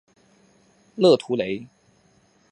勒图雷。